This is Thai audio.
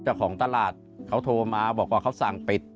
เจ้าของตลาดเขาโทรมาบอกว่าเขาสั่งปิด